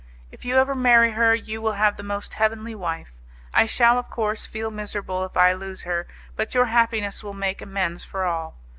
If you ever marry her, you will have the most heavenly wife. I shall of course feel miserable if I lose her, but your happiness will make amends for all.